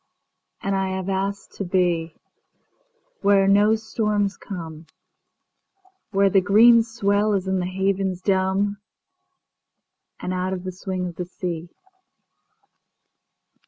And I have asked to beWhere no storms come, Where the green swell is in the havens dumb, And out of the swing of the sea.